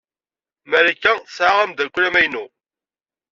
Marika tesɛa ameddakel amaynu.